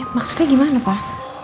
maksudnya gimana pak